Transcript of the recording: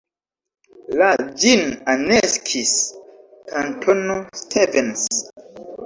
La ĝin aneksis Kantono Stevens.